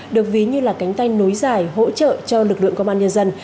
được ví như là cánh tay nối dài hỗ trợ cho lực lượng công an nhân dân